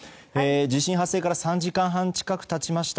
地震発生から３時間半近く経ちました。